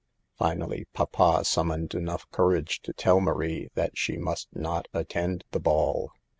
Finally papa summoned enough courage to tell Marie that she must not attend the ball.